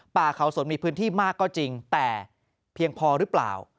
ป่าเขาสนมีพื้นที่มากก็จริงแต่เพียงพอหรือเปล่า